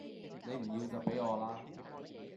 你唔要就畀我啦